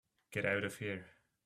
Get out of here.